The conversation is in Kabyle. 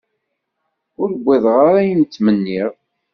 Ur wwiḍeɣ ara ayen i ttmenniɣ.